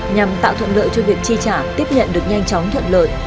nhằm tạo thuận lợi cho việc chi trả tiếp nhận được nhanh chóng thuận lợi